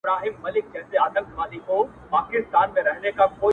• کشمیر ته هر کلی پېغور وو اوس به وي او کنه,